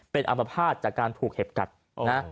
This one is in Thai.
เป็นอามภาษณ์จากการถูกเห็บกัดนะ